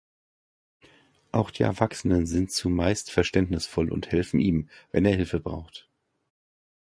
Auch die Erwachsenen sind zumeist verständnisvoll und helfen ihm, wenn er Hilfe braucht.